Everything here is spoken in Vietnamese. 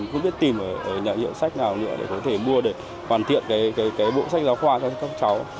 cứ biết tìm ở nhà hiệu sách nào nữa để có thể mua để hoàn thiện cái bộ sách giáo khoa cho các cháu